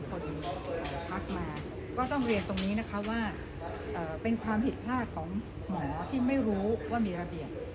คนทักมาก็ต้องเรียนตรงนี้นะคะว่าเป็นความผิดพลาดของหมอที่ไม่รู้ว่ามีระเบียบ